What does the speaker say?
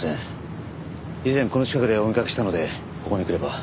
以前この近くでお見かけしたのでここに来ればお会いできるかと。